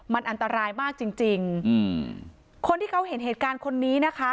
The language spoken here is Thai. มันอันตรายมากจริงจริงอืมคนที่เขาเห็นเหตุการณ์คนนี้นะคะ